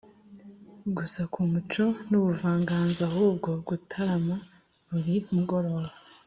gusa ku muco n’ubuvanganzo, ahubwo gutarama buri mugoroba